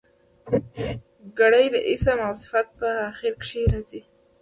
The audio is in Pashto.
ګری د اسم او صفت په آخر کښي راځي.